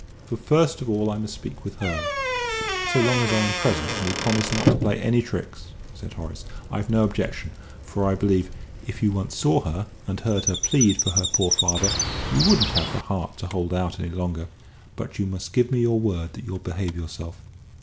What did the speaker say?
For first of all I must speak with her." "So long as I am present and you promise not to play any tricks," said Horace, "I've no objection, for I believe, if you once saw her and heard her plead for her poor father, you wouldn't have the heart to hold out any longer. But you must give me your word that you'll behave yourself."